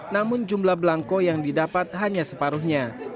namun jumlah belangko yang didapat hanya separuhnya